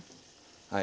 はい。